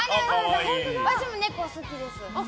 私も猫好きです。